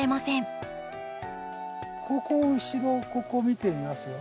ここ後ろここ見てみますよ。